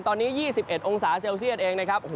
ตอนนี้๒๑องศาเซลเซียตเองนะครับ